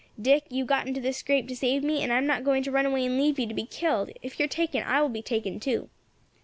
'Dick, you got into this scrape to save me, and I am not going to run away and leave you to be killed; if you are taken, I will be taken too.'